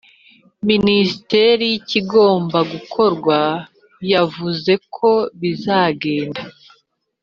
Minisiteri y ikigomba gukorwa yavuze uko bizagenda